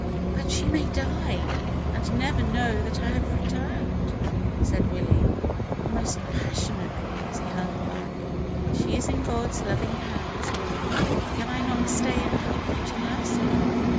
"But she may die, and never know that I have returned," said Willie, almost passionately, as he hung back. "She is in God's loving hands, Willie." "Can I not stay and help you to nurse her?"